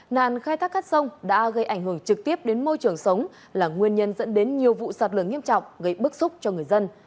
nạn khai thác cát sông đã gây ảnh hưởng trực tiếp đến môi trường sống là nguyên nhân dẫn đến nhiều vụ sạt lở nghiêm trọng gây bức xúc cho người dân